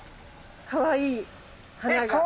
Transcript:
かわいい花が。